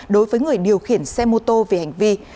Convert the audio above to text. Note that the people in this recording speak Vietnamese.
đối với người điều khiển xe mô tô về hành vi